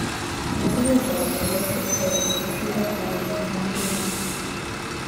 As a result, the list of codes must be updated from time to time.